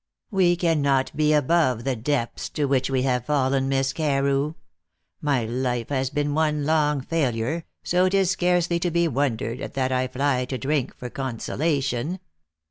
"We cannot be above the depths to which we have fallen, Miss Carew. My life has been one long failure, so it is scarcely to be wondered at that I fly to drink for consolation.